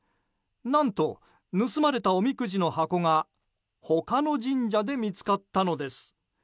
何と、盗まれたおみくじの箱が他の神社で見つかったのです。